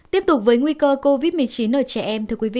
tiếp tục với nguy cơ covid một mươi chín ở trẻ em